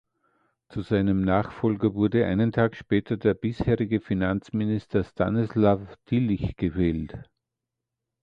Zu seinem Nachfolger wurde einen Tag später der bisherige Finanzminister Stanislaw Tillich gewählt.